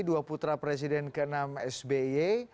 dua putra presiden ke enam sby